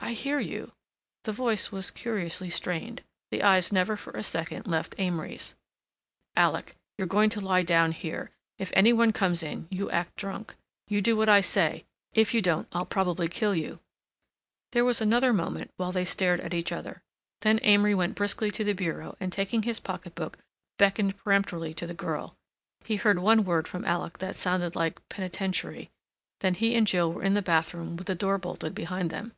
"I hear you." The voice was curiously strained, the eyes never for a second left Amory's. "Alec, you're going to lie down here. If any one comes in you act drunk. You do what I say—if you don't I'll probably kill you." There was another moment while they stared at each other. Then Amory went briskly to the bureau and, taking his pocket book, beckoned peremptorily to the girl. He heard one word from Alec that sounded like "penitentiary," then he and Jill were in the bathroom with the door bolted behind them.